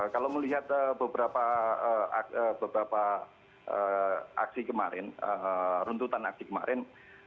kalau melihat beberapa aksi kemarin runtutan aksi kemarin